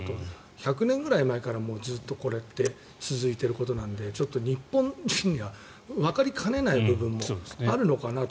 １００年ぐらい前からずっとこれって続いていることなので日本人にはわかりかねない部分もあるのかなと。